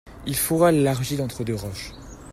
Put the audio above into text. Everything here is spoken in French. Il fora l'argile entre deux roches.